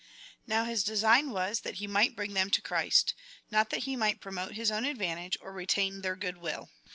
^ Now his design was, that he might bring them to Christ — not that he might promote his own advantage, or retain their good will.